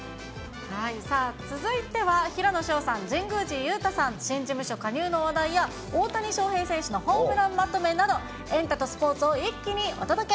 さあ、続いては、平野紫燿さん、神宮寺勇太さん、新事務所加入の話題や、大谷翔平選手のホームランまとめなど、エンタとスポーツを一気にお届け。